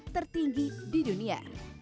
tertinggi di dunia